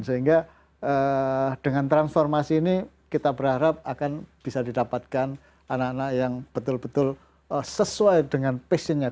sehingga dengan transformasi ini kita berharap akan bisa didapatkan anak anak yang betul betul sesuai dengan passionnya